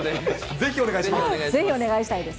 ぜひお願いしたいです。